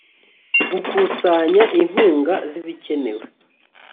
gukusanya inkunga z ibikenewe